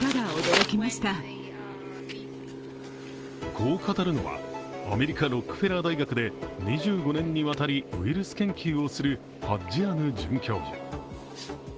こう語るのはアメリカ・ロックフェラー大学で２５年にわたり、ウイルス研究をするハッジアヌ准教授。